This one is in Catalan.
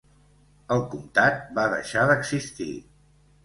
El comtat va deixar d'existir.